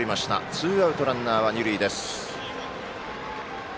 ツーアウトランナー、二塁です。